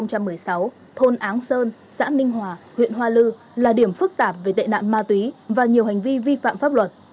năm hai nghìn một mươi sáu thôn áng sơn xã ninh hòa huyện hoa lư là điểm phức tạp về tệ nạn ma túy và nhiều hành vi vi phạm pháp luật